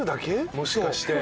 もしかして。